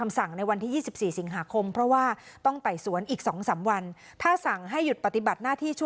และค่ะท่านให้อารมณ์ปฏิบัตินาทีต่อ